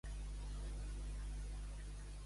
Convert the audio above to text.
A Nalec, els quecs.